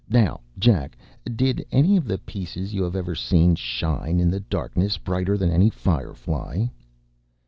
Now, Jack, did any of the pieces you have ever seen shine in the darkness brighter than any fire fly?